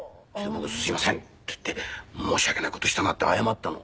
僕「すいません」って言って申し訳ない事したなって謝ったの。